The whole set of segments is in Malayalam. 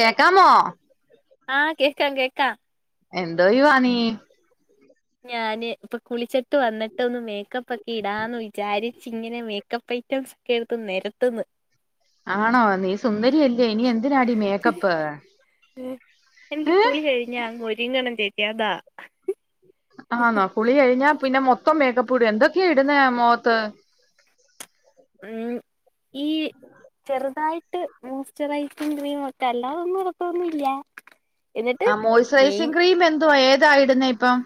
കേക്കാമോ ആഹ് കേക്കാം കേക്കാം എന്തോ യുവാനീ ഞാന് ഇപ്പൊ കുളിച്ചിട്ട് വന്നിട്ടോന്ന് മേക്കപ്പ് ഒക്കെ ഇടാന്ന് വിചാരി ഇച്ച് ഇങ്ങനെ മേക്കപ്പ് ഐറ്റംസ് ഒക്കെ എടുത്ത് നിരത്ത്ന്ന് ആണോ നീ സുന്ദരിയല്ലേ ഇനി എന്തിനാടീ മേക്കപ്പ് എനിക്ക് ഏ കുളി കഴിഞ്ഞ ഒരിങ്ങണം ചേച്ചി അതാ ആന്നോ കുളി കഴിഞ്ഞാ പിന്നെ മൊത്തം മേക്കപ്പ് ഇടും എന്തൊക്കെയാ ഇടുന്നേ മോത്ത് ഉം, ഈ. ചെറുതായിട്ട് മോസ്ചറൈസിക്രീമക്കെ അല്ലാതെന്നുടാത്തോന്നുല്ല ആ മോയ്സ്ചറൈസിംഗ ക്രീം എന്തുവാ ഏതായി ഇടുന്നേ ഇപ്പം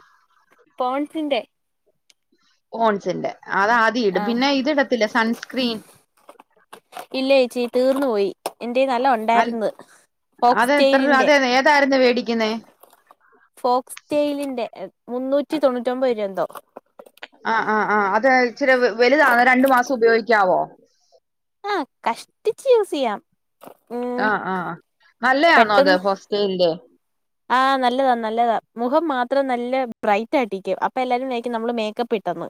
പോൺസിന്റെ ഹോൺസിന്റെ അത് ആദ്യം ഇടും ആഹ് പിന്നെ ഇത് ഇടത്തില്ല സൺസ്ക്രീൻ ഇല്ല ചേച്ചി തീർന്നു പോയി എന്റെയിൽ നല്ല അൽ ഉണ്ടായിന്ന് പോക്സ് അത് എത്ര രൂ സ്റ്റെയിലിന്റെ അത് ഏതായിരുന്നു മേടിക്കുന്നേ ഫോക്സ്റ്റെയിലിന്റെ മുന്നൂറ്റി തൊണ്ണൂറ്റൊമ്പത് രൂപ എന്തോ ആ ആ ആ അത് ഇച്ചിരി വലുതാ രണ്ടു മാസം ഉപയോഗിക്കാവോ ആ കഷ്ടിച്ച് യൂസ് യ്യാം ആ ആനല്ലയാണോ പെട്ടെന്ന് അത് ഫോക്സ്റ്റൈലിന്റെ ആഹ് നല്ലതാ നല്ലതാ മുഖം മാത്രം നല്ല ബ്രൈറ്റ് ആയിട്ടിക്കും അപ്പൊ എല്ലാരുംനയിക്കും നമ്മള് മേക്കപ്പ് ഇട്ടന്ന്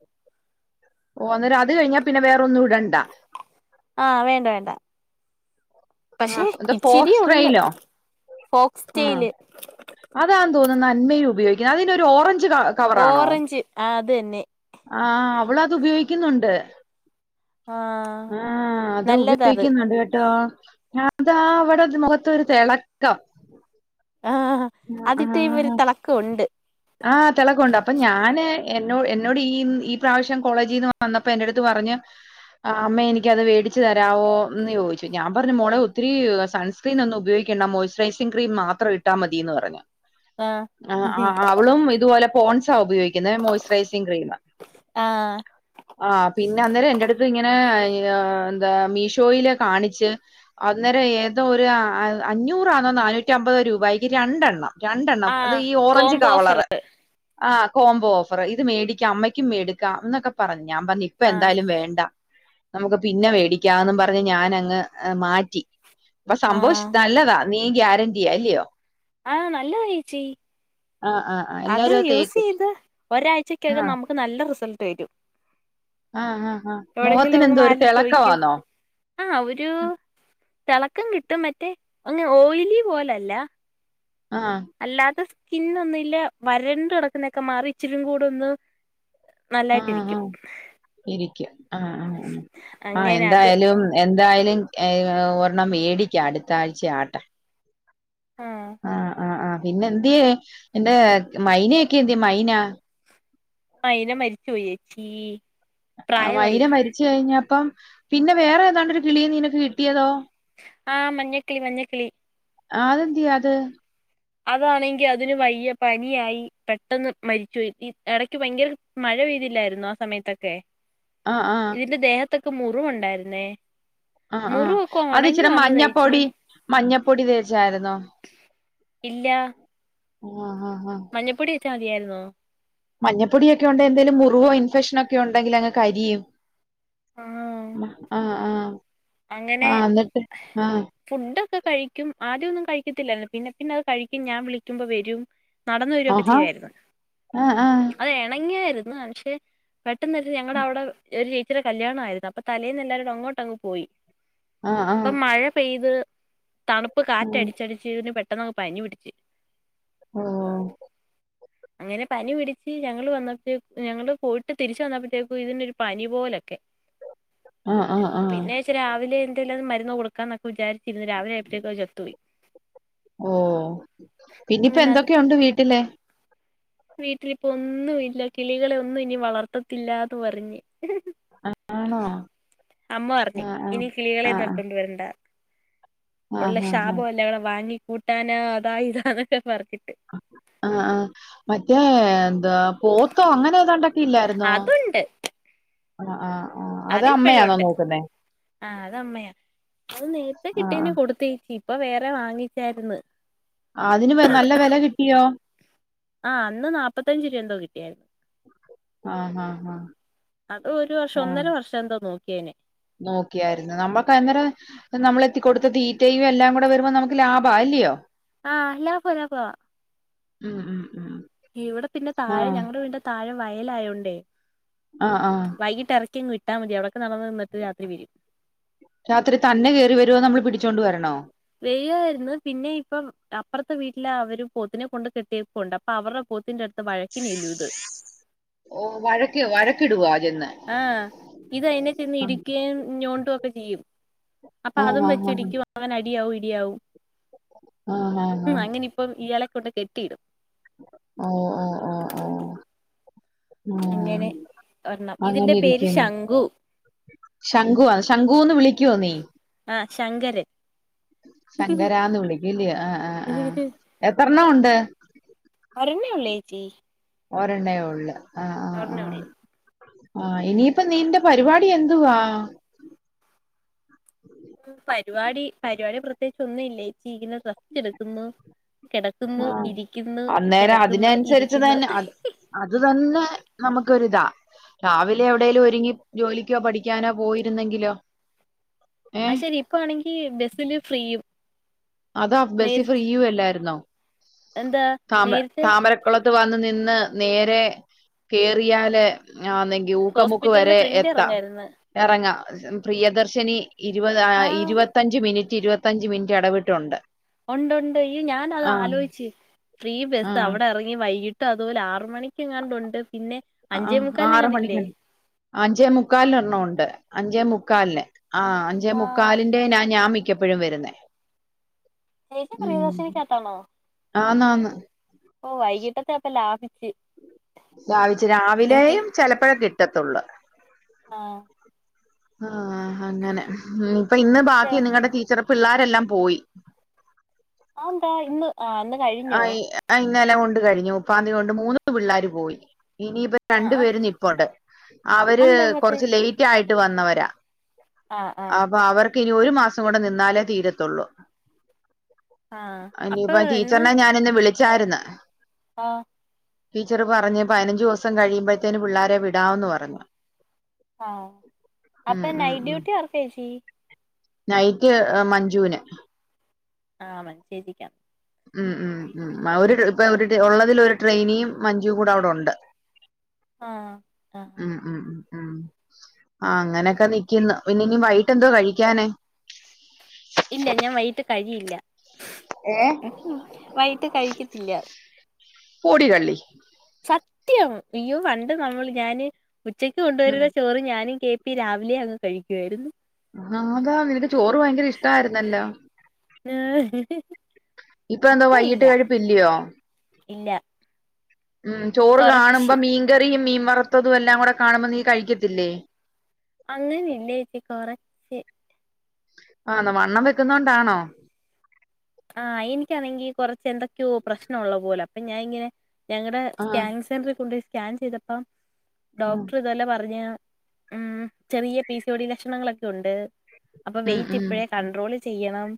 ഓ അന്നേരം അത് കഴിഞ്ഞാ പിന്നെ വേറ ഒന്നും ഇടണ്ട ആഹ് വേണ്ട വേണ്ട ആ പക്ഷെ എന്താ ഇച്ചിരിയേ ഉള്ള് ഫോസ്ട്രയിലോ ഫോക്സ് ആ ടെയില് അതാതോന്നുന്നു അന്മയും ഉപയോഗിക്കുന്നത് അതിന് ഒരു ഓറഞ്ച് ക ഓറഞ്ച് അതന്നെ ആ അവളത് ഉപയോഗിക്കുന്നുണ്ട് ആഹ ആഹ അത് ഉപയോഗിക്കുന്നുണ്ട് കേട്ടോ ഞ അതാ, അവിടെ ത് മുഖത്തോരു തെ ളക്കം. ആഹ് അതിട്ട് കയ്യുമ്പ ഒരു ആഹ് തെളക്കം ഉണ്ട്. ആഹ് തിളക്കോ ണ്ട് അപ്പൊ ഞാന് എന്നോ എന്നോട് ഈ ഈ പ്രാവശ്യം കോളേജി ന്ന് വന്നപ്പോ എന്റടുത്ത് പറഞ്, ആഹ്, അമ്മേ എനിക്കത് വേടിച്ച് തരവോ ന്ന് ചോദിച്ചു? ഞാൻ പറഞ്ഞു മോളെ ഒത്തിരി സൺസ്... ക്രീൻ ഒന്ന് ഉപയോഗികണ്ട മോയ്സ്റൈസിങ് ക്രീം മാത്രം ഇട്ടാ മതിന്ന് പറഞ്ഞു ആഹ് അഹ്, അഹ്, അഹ്, അവളും ഇതുപോലെ പോൺസ ഉപയോഗിക്കുന്നത്. മോയ്സറൈസിങ് ക്രീമാ. ആഹ്. ആഹ്, പിന്നെ അന്നേരം എന്റടുത്ത് ഇങ്ങനെ എന്താ മീഷോയില് കാണിച്ച്. അന്നേരം ഏതോ ഒരു അഞ്ഞൂറാന്നോ നാനൂറ്റി അമ്പത് രൂപയ്ക്ക് രണ്ടെണ്ണം. രണ്ടെണ്ണം. അത് ആഹ് ഈ ഓറഞ്ച് കോംബോ ഓഫർ കവളറ്. ആ കോംബോ ഓഫർ ഇത് മേടിക്കാം അമ്മയ്ക്കും മേടിക്കാം എന്നൊക്കെ പറഞ്ഞ് ഞാൻ പറഞ് ഇപ്പ ഇപ്പ ആഹ് എന്തായാലും വേണ്ട? നമുക്ക് പിന്നെ വേടിക്കാംന്ന് പറഞ്ഞ് ഞാൻ അങ്ങ് ഹ് മാറ്റി. അപ്പ ആഹ് സംഭവിശ് നല്ലതാ നീ ഗ്യാരന്റിയാ ല്യോ ആഹ നല്ലതയെച്ചി ആ ആ ആ അത് എല്ലാരും യൂസ തേക്കും യ്ത്, ആ ഒരാഴ്ചക്കകം നമുക്ക് നല്ല റിസൾട്ട് വരും. ആ ആ് ആാ മോഹത്തിന് എന്തോ ഒരു തിളക്കവന്നോ ആഹ ഒരു തിളക്കം കിട്ടും മറ്റേ അങ്ഓയിലി പോലല്ല ആഹ അല്ലാത്ത സ്കിനൊന്നും ല്ല. വരണ്ട് കിടക്കുന്നൊക്കെ മാറി ഇച്ചിരിം കൂടോന്ന്.. ആ ആ നല്ലായിട്ടിരിക്കും. ഇരിക്കും ആ ആ ഉ ആഹ അങ്ങനെ അത് എന്തായാലും എന്തായാലും ഏ ഒരെണ്ണം മേടിക്കാം അടുത്താഴ്ചആട്ടെ! ആഹ് ആഹ ആ് ആ് പിന്നെ എന്ദ്യേ എന്റെ മൈനൊയോക്കെ യന്ത്യേ മൈന മൈന മരിചോയേച്ചീ ആ മൈന മരിച്ചഴിഞ്ഞപ്പം പിന്നെ വേറെ ഏതാണ്ട ഒരു കിളിയെ നിനക്ക് കിട്ടിയതോ? ആഹ മഞ്ഞക്കിളി മഞ്ഞക്കിളി ആ അതെന്ദ്യേ അത് അതാണെങ്കി അതിന് വയ്യ പനിയായി പെട്ടെന്ന് മരിചോയി ഈ ഇടക്ക് ഭയങ്കര മഴ പെയ്തില്ലായിരുന്നോ ആ സമയത്തൊക്കെ? [inaudible] ഇതിന്റെ ദേഹത്തൊക്കെ മുറിവുണ്ടായിരുന്നേ? ആഹ്, ആഹ്, മുറിവൊക്കെ അത് ഒണങ്ങി ഇച്ചരി വന്നതാ ചേച്ചി മഞ്ഞപ്പൊടി മഞ്ഞപ്പൊടി തേച്ചായിരുന്നോ? ഇല്ലാ ആഹ് ആഹ് ആഹ് മഞ്ഞപ്പൊടിയെച്ച മതിയായിരുന്നോ മഞ്ഞപ്പൊടി യൊക്കെ ഉണ്ടെങ്കിൽ എന്ദേലും മുറിവോ ഇൻഫെക്ഷനൊക്കെ ഉണ്ടെങ്കിൽ അങ് കരിയും ആഹ് ആഹ് ആഹ അങ്ങനെ? ഫുഡൊക്കെ കഴിക്കും ആദ്യന്നും കഴിക്കത്തില്ലയിരുന്നു പിന്നെ പിന്നെ അത് കൈക്യും ഞാൻ വിളിക്കുമ്പോ വരും നടന്ന് വരു വോക്കെ ആഹാ ചെയ്യുവായിരു ന്നോ? ആഹ് ആഹ് അത് ഇണങ്ങിയായിരുന്. പെട്ടെന്ന് ഒരീസം ഞങ്ങഡാവിടെ ഒരു ചേച്ചിടെ കല്യാണആയിരുന്നു അപ്പൊ തലേന്ന് എല്ലാരുടെ അങ്ങോട്ട അങ്ങ് പോയി ആഹ് അപ്പ ആഹ് മഴ പെയ്ത് തണുപ്പ് ആഹ് കാറ്റടിച്ചടിച്ച് ഇവെന് പെ പെട്ടന്നങ്ങ് പനി പിടിച്ച്. ആഹ് അങ്ങനെ പനി പിടിച്ച് ഞങ്ങള് വന്നപ്പയേ, ഞങ്ങള് പോയിട്ട് തിരിച്ച് വന്നപ്പഴത്തേക്കും ഇതിനൊരു പനി പോലൊക്കേ. ആഹ് ആഹ് ആഹ് ച്ച് രാവിലെയെന്തേലും അത് മരുന്ന് കൊടുക്കാന്നെക്കെ വിചാരിച്ചിരുന്നു. രാവിലെയായപ്പഴേത്തേക്കത് ചത്ത് പോയി. ഓഹ് പിന്നിപ്പ അങ്ങനെ അത് എന്തൊക്കെയൊണ്ട് വീട്ടില് വീട്ടിലിപ്പോ ഒന്നും ഇല്ല. കിളികളെയൊന്നും ഇനി വളർത്തത്തില്ലാന്ന് പറഞ്ഞ്. ആണോ? അമ്മ പറഞ്ഞ്, ആഹ് ആഹ് ഇനി കിളികളെ ആഹ് തൊട്ടോണ്ട്‌ വരണ്ട. ഉള്ള ആഹ് ആഹ് ശാപയെല്ലാക്കൂടെ വാങ്ങി കൂട്ടാനാ. അതാ ഇതാന്നൊക്കെ പറഞ്ഞിട്ട്. ആഹ് ആഹ് മറ്റേ എന്തൊ പോത്തോ അങ്ങനെ ഏതാണ്ട് ഇല്ലാരുന്നോ? അതുണ്ട് ആഹ് ആഹ് ആഹ് അത് അതിപ്പഴും അമ്മയാന്നോ ഉണ്ട് നോക്കുന്നേ? ആഹ് അതമ്മയാ! അത് നേരത്തെ ആഹ് കിട്ടിയേന്നെ കൊടുത്തേക്ക്. ഇപ്പ വേറെ വാങ്ങിച്ചാരുന്ന് ആഹ് അതിന് വെ നല്ല വെല കിട്ടിയോ? ആ അന്ന് നാപ്പത്തഞ്ച് രൂപന്തോ കിട്ടിയേ. ആഹ് ആഹ് ആഹ് അത് ഒരു വർഷോ ഒന്നര വർഷം എന്തോ നോക്കിയേനി നോക്കിയാരുന്നു. നമ്മക്ക് അന്നേരം നമ്മളെത്തി കൊടുത്ത ദീത്തയും എല്ലാക്കൂടെ വരുമ്പോ നമ്മുക്ക് ലാഭായൽയോ? ആഹ് ലാഭവ ലാഭവ. ഉം ഉം ഉം ഇവെടെ പിന്നെ താഴെ ആഹ് ഞങ്ങടെ വീടിന്റെ താഴെ വയലായോണ്ടേ. അ ആഹ് വൈകിട്ടെറക്കിയങ്ങ് വിട്ടാ മതി. അവെടക്കെ നടന്നു തിന്നിട്ട് രാത്രി വെരും. രാത്രി തന്നെ കേറി വെരോ, നമ്മള് പിടിച്ചോണ്ട് വരണോ? വെരുവാരുന്നു. പിന്നെ ഇപ്പ അപ്പറത്തെ വീട്ടിലവര് പോത്തിനെ കൊണ്ട് കെട്ടിയപ്പോണ്ട് അപ്പ അവർ പോത്തിന്റെടുത്ത് വഴക്കിനു എല്ലുയിത്. ഓഹ് വഴക്ക് വഴക്കിടുവാ ചെന്ന്. ആഹ്. ഇത് അതിനെ ചെന്ന് ഇടിക്കയും ഞോണ്ടുവെക്കെ ചെയ്യും. അപ്പ ആ അതും ആ വെച്ചിടിക്കും. അങ്ങനെ അടിയാവും ഇടിയാവും ആ ആ. ആ. ഉം അങ്ങനെയി ഇപ്പം ഇയാളെ കൊണ്ട് കെട്ടിയിടും. അ അഹ് ആ ആഹ ആഹ് അങ്ങനെ ഒരെണ്ണം ഇതിന്റെ അങ്ങനെ പേര് ഇരിക്കുന്ന് ശംഖു ശംഖുവാ. ശംഖൂന്ന് വിളിക്കോ നീ? ആ ശങ്കരൻ ശങ്കരാന്ന് വിളിക്കുല്‌യോ ആഹ് [unintelligible] എത്രണ്ണംഉണ്ട്? വരണില്ല്യേച്ചി ഒരെണ്ണയോ ഉള്ള ആഹ് [unintelligible] ആ ഇനിയിപ്പ നിന്റെ പരിപാടി എന്തുവാ പരിപാടി പരിപാടി പ്രത്യേകിച്ച് ഒന്നും ഇല്ലേച്ചി. ഇങ്ങനെ റെസ്റ്റെടുക്കുന്നു. കെടക്കുന്നു, ആ ഇരിക്കുന്നു. അന്നേരം കെടക്കുന്നു, അതിനനുസരിച്ച് ഇരിക്കുന്നു. തന്നെ ഹ്ഹി അത് ഹി അത് തന്നെ നമ്മൊക്കൊരിതാ. രാവിലെയെവിടേലും ഒരുങ്ങി ജോലിക്കോ പഠിക്കാനോ പോയിരുന്നെങ്കിലോ. ഏ അ ശെരി ഇപ്പയാണെങ്കി ബസില് ഫ്രീയും. അതാ ബസി നേരത്തെ ഫ്രീയുമല്ലായിരുന്നോ? എന്താ താമ നേരത്തെ താമര പക്കുളത്ത് വന്ന് നിന്ന് നേരെ കേറിയാല് ആന്നേ യൂക്കമുക്ക് ഹോസ്പിറ്റലിന്റെ വരെ ഫ്രണ്ട് എത്താം. ഇറങ്ങായിരുന്നു ഇറങ്ങാം പ്രിയദർശിനി ഇരുപത് ആ ആഹ് ഇരുപത്തഞ്ച് മിനിറ്റ് ഇരുപത്തഞ്ച് മിനിറ്റ് ഇടവിട്ട് റ്റുണ്ട് ഉണ്ട് ഉണ്ട് ഈ ഞാൻ അത് ആലോചിച്ച് ഫ്രീ ബസ് ആഹ് അവിടെ ഇറങ്ങി വൈകിട്ട് അതുപോലെ ആറ് മണിക്ക് ഇങ്ങാനുണ്ട് പിന്നെ അഞ്ചേ ആഹ് ആറ് മുക്കാലിനെങ്ങാണ്ട് ഇല്ലേ മണിക്കുണ്ട് അഞ്ചേ മുക്കാലിന് ഒരണ്ണമൊണ്ട് അഞ്ചേ മുക്കാലിന് ആ അഞ്ചേ ആഹ് മുക്കാലിന്റെ എ ഞാൻ മിക്കപ്പോഴും വരുന്നേ ചേച്ചി ഉം പ്രിയദർശിനിക്കകത്താണോ ആന്ന് ആന്ന് ഓ വൈകീട്ടത്തെ അപ്പം ലാഭിച്ച് ലാഭിച്ച് രാവിലെയും ചിലപ്പോഴ കിട്ടത്തുള്ളൂ ആഹ് ആഹ് അങ്ങനെ ഇപ്പൊ ഇന്ന് ശോ ബാക്കി നിങ്ങളുടെ ടീച്ചർപ്പ പിള്ളരെല്ലാം പോയി ആന്താ ഇന്ന് ആ- ആഹ് ഇന്നലെ കൊണ്ട് കഴിഞ്ഞു മുപ്പാന്തിയതി കൊണ്ട് മൂന്ന് പിള്ളേർ പോയി ഇനിയിപ്പോ ആഹ് രണ്ടു ആഹ് പേര് നിപ്പുണ്ട് അവര് അതെന്താ പറ്റെ കൊറച്ച് ലേറ്റ് ആയിട്ട് വന്നവരാ ആഹ് ആഹ് അപ്പൊ അവർക്ക് ഇനി ഒരു മാസം നിന്നാലേ തീരത്തുള്ളു ആഹ് അപ്പൊ എന്ന് ഞാനിന്ന് വിളിച്ചായിരിന്ന് ആഹ് ടീച്ചർ പറഞു പതിനഞ്ച് ദിവസം കഴിയുമ്പോഴത്തേന് പിള്ളോരെ വിടാന്ന് പറഞ്ഞു ആഹ് ഉം അപ്പൊ ഉം നൈറ്റ് ഉം ഡ്യൂട്ടി ആർക്കാ ഏച്ചി നൈറ്റ് അ മഞ്ജുവിന് ആഹ് ചേച്ചി ക്കാം ഉം ഉം ഉം ഒരു ഇപ്പൊ ഒരു ഉള്ളതിൽ ഒരു ട്രെയിനിയും മഞ്ചും കൂടെ അവിടെ ഉണ്ട് ആഹ് ആഹ് ഉം ഉം ആഹ് അങ്ങനെയൊക്കെ നിക്കന്ന് പിന്നെ ഇനി വൈകിട്ട് എന്തോ കഴിക്കാന് ഇല്ല ഞാൻ വൈകിട്ട് കഴിയില്ല ഏഹ് മ് വൈകിട്ട് കഴിക്കത്തില്ല പൊടി കള്ളി സത്യം ഇയ്യോ പണ്ട് നമ്മൾ ഞാനെ ഉച്ചക്ക് ഉം. കൊണ്ടുവരുന്ന ചോറ് ഞാനും കേ പീ രാവിലെ അങ്ങ് കഴിക്കുവായിരുന്നു നാതാ നിനക്ക് ചോറ് ഭയങ്കര ഇഷ്ടമായിരുന്നല്ലോ ആഹ് ഇപ്പ എന്തോ വൈകിട്ട് കഴിപ്പ് ഇല്ലയോ ഇല്ല ഉം ചോറ് കാണുമ്പോ കൊറച്ച് മീൻകറിയും മീൻ വറുത്തതും എല്ലാം കൂടെ കാണുമ്പോ നീ കഴിക്കത്തില്ലേ അങ്ങനെയ ഇല്ല ചഏച്ചി കുറെ ആന്ന് വണ്ണം വെക്കുന്നതൊണ്ടാണോ ആഹ് എനിക്കാണെങ്കി കുറച്ച് എന്തൊക്കെയോ പ്രശ്നം ഉള്ള പോലെ അപ്പൊ ഞാന ഇങ്ങനെ ഞങ്ങളടെ ആ സ്കാനിങ് സെന്റർ കൊണ്ടുപോയി സ്കാൻ ചെയ്തപ്പ ഉം ഡോക്ടർ ഇതു പോല്ലേ പറഞ്ഞ് ഉം ചെറിയ പി സി ഒ ഡി ലക്ഷണങ്ങളൊക്കെ ഉണ്ട് അപ്പൊ വെയ്റ്റ് ഇപ്പോഴേ കണ്ട്രോള് ചെയ്യണം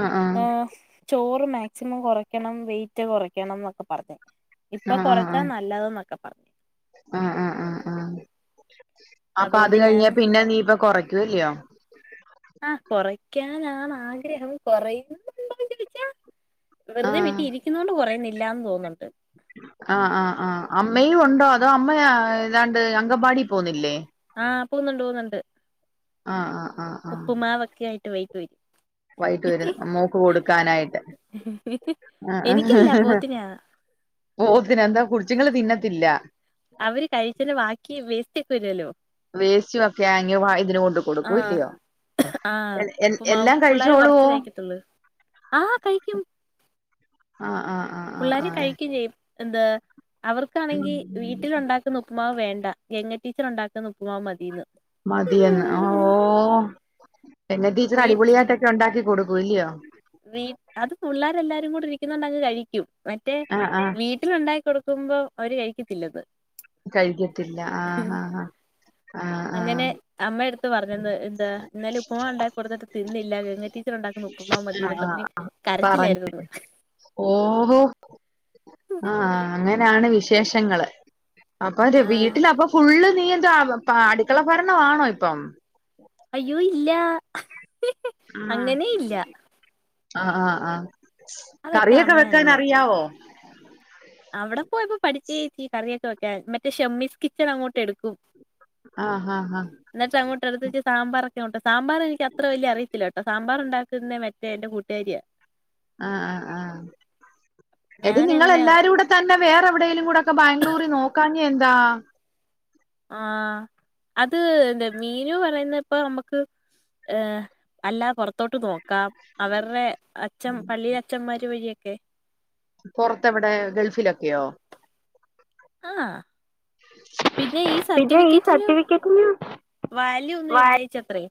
ആഹ് ആഹ് ആഹ് ചോറ് മാക്സിമം കുറക്കണം വെയിറ്റ് കുറയ്ക്കണം എന്നൊക്കെ പറഞ് ആ ഇപ്പൊ കുറച്ചാ നല്ലത് എന്നൊക്കെ പറഞ്ഞു ആഹ് ആഹ് ആഹ് അഹ് അപ്പൊ അത് അതുകൊണ്ട് ഞാൻ കഴിഞ്ഞാ പിന്നെ നീപ്പൊ കുറയ്ക്കുവല്ലയോ ആഹ കുറയ്ക്കാനാണ് ആഗ്രഹം കുറയുന്നുണ്ടോന്ന് ചോദിച്ചാ ആ വെറുതെ വിറ്റി ഇരിക്കുന്നോണ്ട് കുറയുന്നില്ലാന്ന് തോന്നുന്നുണ്ട് ആഹ് ആഹ് ആഹ് അമ്മയും ഉണ്ടോ അതോ അമ്മ ഏതാണ്ട് അങ്കവാടി പോന്നില്ലേ ആഹ് പോകുന്നുണ്ട് പോകുന്നുണ്ട് ആഹ് ആഹ് ആഹ് ഉപ്പുമാവൊക്കെ ആയിട്ട് വൈകിടു വരും വൈകീട്ട് വരും മോൾക്ക് കൊടുക്കാനായിട്ട് ആ എനിക്കല്ല ആഹ് [unintelligible] പോത്തിനാ പോത്തിന് എന്താ കുടിച്ചിങ്കൽ തിന്നത്തില്ല അവര് കഴിചീൽ ബാക്കി വേസ്റ്റക്ക വരുല്ലല്ലോ വേസ്റ്റ് ഒക്കെ അങ്ങ് വാ ഇതിന് കൊണ്ട് കൊടുക്കും അല്ലിയോ ആഹ് ഉപ്പ്മാവ് പിള്ളേർ കഴിച്ചോളുവോ കുറച്ച് കഴിക്കത്തുള്ളു, ആഹ് കഴിക്കും ആഹ് ആഹ് ആഹ് ആഹ് പിള്ളാര് ആഹ് കഴിക്കയും എന്താ അവർക്കാണെങ്കി വീട്ടിൽ ഉണ്ടാക്കുന്ന ഉപ്പു്മാവ് വേണ്ട ഗെങ്ങാടീച്ചർ ഉണ്ടാക്കുന്ന ഉപ്പ്മാവ് മതീന്ന് മതിയന്ന് ഓഹ് [unintelligible] ടീച്ചർ വീട്ട് അടിപൊളിയായിട്ടൊക്കെ ഉണ്ടാക്കി കൊടുക്കൂ ഇല്ലയോ വീ അത് പിള്ളേരെ എല്ലാരും കൂടെ ഇരിക്കുന്നുണ്ട അങ്ങ് കഴിക്കും മറ്റേ ആഹ് ആഹ് വീ വീട്ടിൽ ഉണ്ടാക്കി കൊടുക്കുമ്പോ അവര് കഴിക്കത്തില്ലത് കഴിക്കത്തില്ല ആഹ് ആഹ് ആഹ് ആഹ് അങ്ങനെ അമ്മ എടുത്ത് പറഞ്ഞെന്ന് എന്താ ഇന്നലെ ഉപ്പ്മാവ് ഉണ്ടാക്കി കൊടുത്തിട്ട് തിന്നില്ല ഗംഗ ടീച്ചർ ഉണ്ടാക്കുന്ന ഉപ്പ്മാവ് മതിയന്ന് ആഹ് പറഞ്ഞ് പറഞ്ഞു കരച്ചിലായിരുന്നുന്ന് ഓഹോ ആഹ് അങ്ങനെയാണ് വിശേഷങ്ങള് അപ്പൊ അവന്റെ ആ വീട്ടില അപ്പൊ ഫുള്ള് നീയെന്താ അടുക്കള ഭരണം ആണോ ഇപ്പം അയ്യോ ഇല്ല ഉം അങ്ങനെ ഇല്ല ആഹ് ആഹ് ആഹ് അതൊക്കെ കറിയൊക്കെ അമ്മ അങ്ങ് വെക്കാൻ നോക്കോളും അറിയാവോ അവിടെ പോയപ്പോ പഠിച്ചേച് കറിയൊക്കെ വെക്കാൻ മറ്റേ ഷെമ്മിസ് കിച്ചൺ അങ്ങോട്ട് എടുക്കും ആഹ് ആഹ് ആഹ് എന്നിട്ട് അങ്ങോട്ട്ടുത്ത് സാമ്പാർ ഒക്കെ ഉണ്ടാക്കും സാമ്പാർ എനിക്ക് അത്ര വലിയ അറയില്ല കേട്ടോ സാമ്പാർണ്ടാക്കുന്നേ മറ്റേ എന്റെ കൂട്ടുകാരിയാ ആഹ് ആഹ് ആഹ് എടി ഞാൻ നിങ്ങൾ അങ്ങനെ എല്ലാരൂടെ തന്നെ വേറെ എവിടെകൂടെ ഒക്കെ ബാംഗ്ലൂരിൽ നോക്കാഞ്ഞത് എന്താ ആ അത് എന്താ മീനു പറയുന്നത് ഇപ്പൊ നമ്മക്ക് ഏഹ് അല്ല പുറത്തോട്ട് നോ ക്കാം അവരുടെ അച്ഛൻ പള്ളി അഛന്മാര് വഴിയൊക്കെ പുറത്തു എവിടെ ഗൾഫിലൊക്കെയോ ആഹ് പിന്നെ ഈ പിന്നെ ഈ സർട്ടിഫിക്കറ്റിന് സർട്ടിഫിക്കറ്റിന് വാല്യൂ വ ഒന്നും ഇല്ല ചേച്ചി അത്രയേ